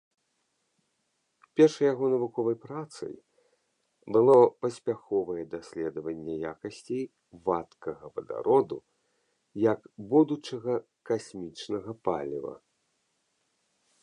Першай яго навуковай працай было паспяховае даследаванне якасцей вадкага вадароду як будучага касмічнага паліва.